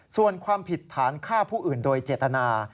ส่วนความผิดฐานฆ่าผู้อื่นโดยเจตนา